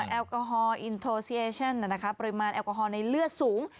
แอลกอฮอลอินโทซีเอเช่นปริมาณแอลกอฮอล์ในเลือดสูง